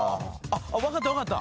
分かった分かった。